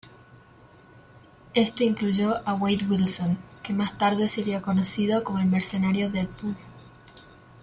Esto incluyó a Wade Wilson, que más tarde sería conocido como el mercenario Deadpool.